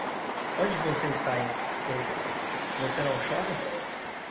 Onde você está indo, touro, você não chora?